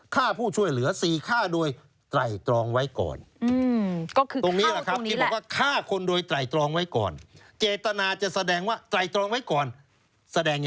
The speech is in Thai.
ฆ่าผู้ช่วยเหลือ๔ฆ่าโดย